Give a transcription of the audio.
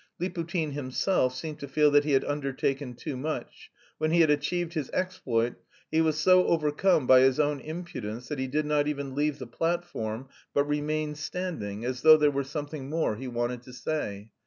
Liputin himself seemed to feel that he had undertaken too much; when he had achieved his exploit he was so overcome by his own impudence that he did not even leave the platform but remained standing, as though there were something more he wanted to say.